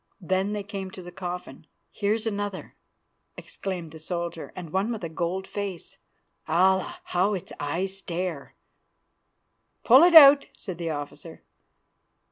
"Then they came to the coffin. "'Here's another,' exclaimed the soldier, 'and one with a gold face. Allah! how its eyes stare.' "'Pull it out,' said the officer.